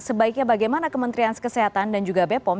sebaiknya bagaimana kementerian kesehatan dan juga bepom